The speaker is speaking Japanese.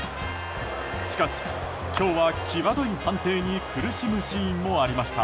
しかし、今日は際どい判定に苦しむシーンもありました。